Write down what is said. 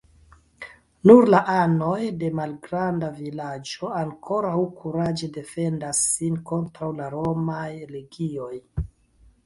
Nur la anoj de malgranda vilaĝo ankoraŭ kuraĝe defendas sin kontraŭ la romaj legioj.